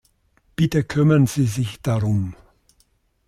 Bitte kümmern Sie sich darum.